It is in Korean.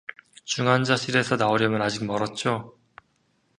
중환자실에서 나오려면 아직 멀었죠?